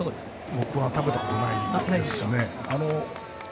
僕は食べたことないです。